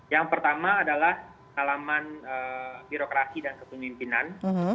yang pertama adalah alaman birokrasi dan kepemimpinan